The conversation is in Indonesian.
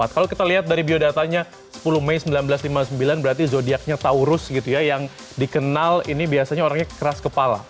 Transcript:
kalau kita lihat dari biodatanya sepuluh mei seribu sembilan ratus lima puluh sembilan berarti zodiacnya taurus gitu ya yang dikenal ini biasanya orangnya keras kepala